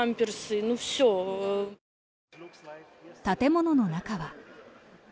建物の中は。